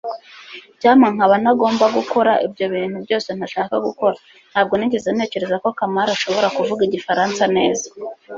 icyampa nkaba ntagomba gukora ibyo bintu byose ntashaka gukora. ntabwo nigeze ntekereza ko kamali ashobora kuvuga igifaransa neza